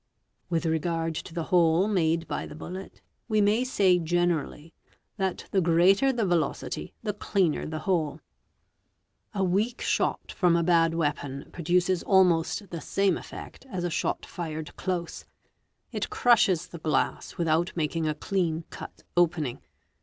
_ With regard to the hole made by the bullet, we may say generally that the greater the velocity the cleaner the hole. A weak shot from a bad weapon pro . duces almost the same effect as a shot fired close; it crushes the glass without making a lean cut opening.